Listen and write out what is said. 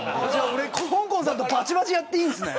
俺、ほんこんさんとばちばちやっていいんですね。